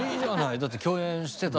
だって共演してた。